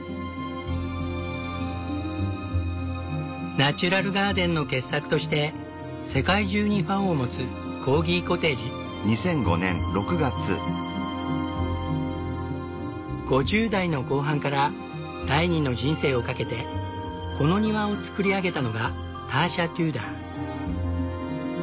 ナチュラルガーデンの傑作として世界中にファンを持つ５０代の後半から第二の人生をかけてこの庭を造り上げたのがターシャ・テューダー。